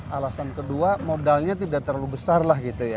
alasan kedua modalnya tidak terlalu besar lah gitu ya